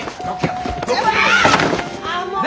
あもう！